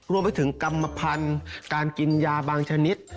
รวมไปถึงกรรมพันธุ์การกินยาบางชนิด